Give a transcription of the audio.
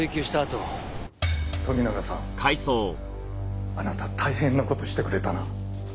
富永さんあなた大変な事をしてくれたな。